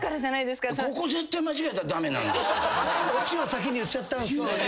オチを先に言っちゃったんすね。